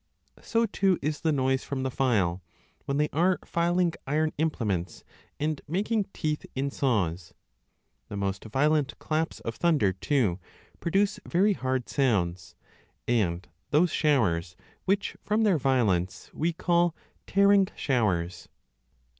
So, too, is the noise from the file, when they are filing iron implements and making teeth in saws. The most violent claps of thunder, too, produce very hard sounds, and those showers 5 which from their violence we call tearing showers.